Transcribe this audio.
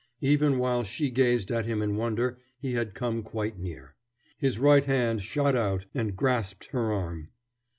Even while she gazed at him in wonder he had come quite near. His right hand shot out and grasped her arm.